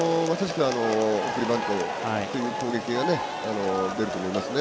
送りバントという攻撃が出ると思いますね。